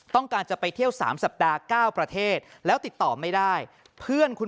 ต้องการจะไปเที่ยว๓สัปดาห์๙ประเทศแล้วติดต่อไม่ได้เพื่อนคุณ